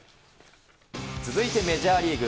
続いてメジャーリーグ。